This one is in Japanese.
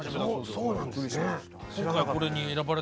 そうなんですね。